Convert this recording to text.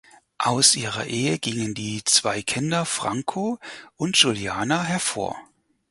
Aus ihrer Ehe gingen die zwei Kinder Franco und Giuliana hervor.